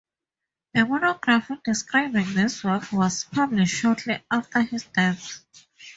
A monograph describing this work was published shortly after his death.